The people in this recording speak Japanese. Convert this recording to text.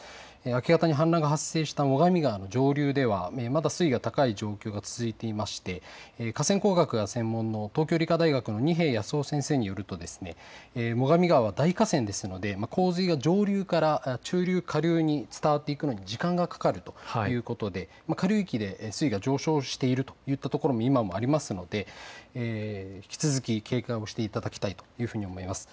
明け方に氾濫が発生した最上川の上流ではまだ水位が高い状態が続いていて河川工学が専門の東京理科大学の二瓶泰雄先生によりますと最上川は大河川ですので洪水が上流から中流、下流に伝わっていくのに時間がかかるということで下流域で水位が上昇しているというのが今の状況でもありますので引き続き警戒をしていただきたいと思います。